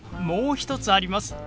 もう一つあります。